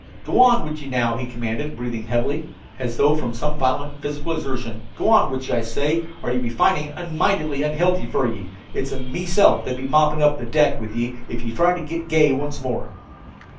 "G'wan with ye, now," he commanded, breathing heavily, as though from some violent physical exertion. "G'wan with ye, I say, or ye'll be findin' it mighty unhealthy fer ye. It's meself that'll be moppin' up the deck with ye if ye try to get gay once more."